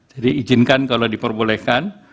jadi izinkan kalau diperbolehkan